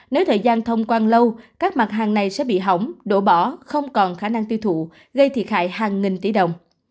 nếu thời gian thông quan lâu các mặt hàng này sẽ bị hỏng đổ bỏ không còn khả năng tiêu thụ gây thiệt hại hàng nghìn tỷ đồng